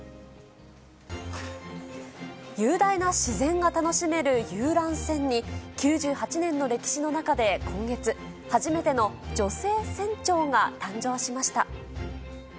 雄大な自然が楽しめる遊覧船に、９８年の歴史の中で今月、初めての女性船長が誕生しました。